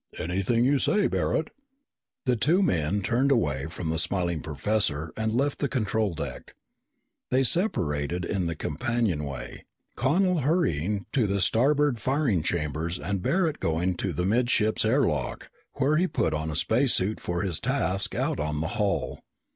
"Anything you say, Barret." The two men turned away from the smiling professor and left the control deck. They separated in the companionway, Connel hurrying to the starboard firing chambers and Barret going to the midships air lock where he put on a space suit for his task out on the hull.